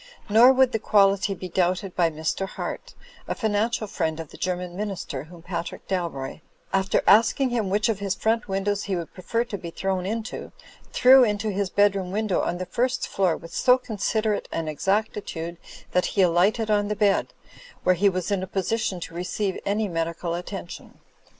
Nor would the quality be doubted by Mr. Hart, a financial friend of the German Minister, whom Patrick Dalroy, after asking him which of his front windows he would prefer to be thrown into, 24 THE FLYING INN threw into his bedroom window on the first floor with so considerate an exactitude that he alighted on the bed, where he was in a position to receive any medical attention.